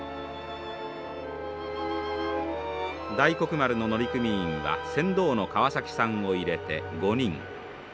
大黒丸の乗組員は船頭の川崎さんを入れて５人。